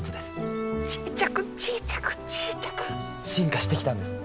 ちいちゃくちいちゃくちいちゃく進化してきたんです。